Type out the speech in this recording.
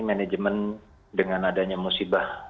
manajemen dengan adanya musibah